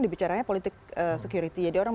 dibicaranya politik security jadi orang